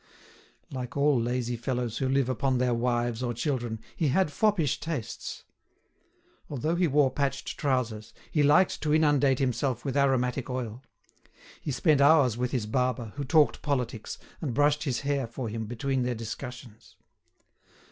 Like all lazy fellows who live upon their wives or children, he had foppish tastes. Although he wore patched trousers, he liked to inundate himself with aromatic oil. He spent hours with his barber, who talked politics, and brushed his hair for him between their discussions.